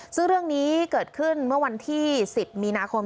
ซึ่งเรื่องนี้เกิดขึ้นเมื่อวันที่๑๐มีนาคม